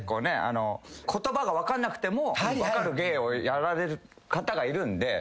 言葉が分かんなくても分かる芸をやられる方がいるんで。